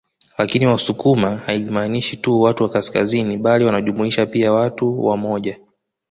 Lakini Wasukuma haimaanishi tu watu wa kaskazini bali wanajumuishwa pia watu wa moja